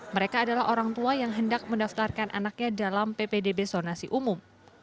mereka adalah orang tua yang hendak mendaftarkan anaknya dalam ppdb zonasi umum